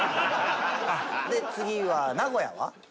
で次は名古屋は？